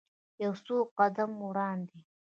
یو څو قدمه وړاندې.